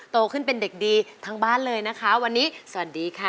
โตขึ้นเป็นเด็กดีทั้งบ้านเลยนะคะวันนี้สวัสดีค่ะ